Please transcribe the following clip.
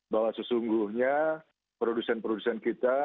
bahwa sesungguhnya produsen produsen kita